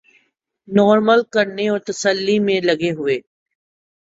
normal کرنے اور تسلی میں لگے ہوئے